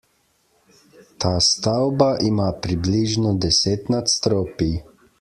Ta stavba ima približno deset nadstropij.